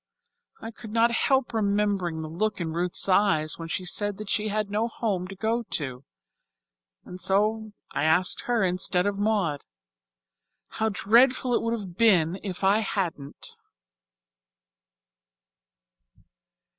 I could not help remembering the look in Ruth's eyes when she said that she had no home to go to, and so I asked her instead of Maud. How dreadful it would have been if I hadn't."